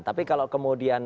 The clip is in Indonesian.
tapi kalau kemudian